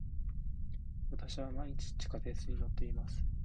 私は毎日地下鉄に乗っています。